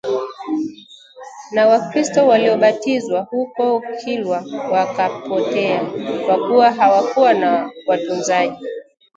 Na wakristo waliobatizwa huko kilwa wakapotea, kwa kuwa hawakuwa na watunzaji